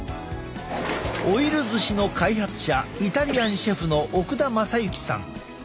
オイル寿司の開発者イタリアンシェフの奥田政行さん。